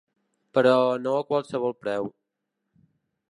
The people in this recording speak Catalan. Però no a qualsevol preu.